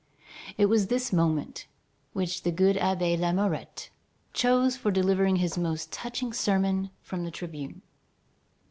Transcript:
It was this moment which the good Abbé Lamourette chose for delivering his most touching sermon from the tribune.